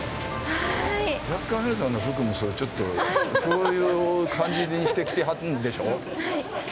若干ねるさんの服もそういうちょっとそういう感じにしてきてはるんでしょ？